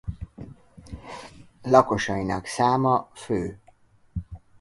Lakosainak száma fő.